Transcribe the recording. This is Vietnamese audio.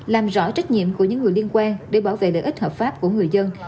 làm rõ trách nhiệm của những người liên quan để bảo vệ lợi ích hợp pháp của người dân